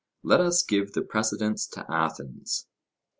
Let us give the precedence to Athens.